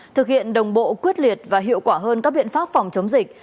thực hiện đồng bộ quyết liệt và hiệu quả hơn các biện pháp phòng chống dịch